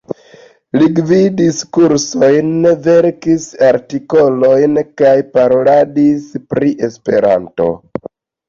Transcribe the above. Li gvidis kursojn, verkis artikolojn kaj paroladis pri Esperanto.